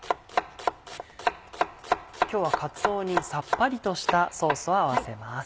今日はかつおにさっぱりとしたソースを合わせます。